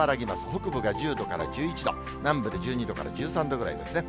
北部が１０度から１１度、南部で１２度から１３度ぐらいですね。